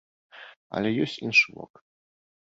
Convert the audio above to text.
Але ёсць іншы бок.